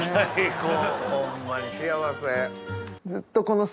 ホンマに幸せ。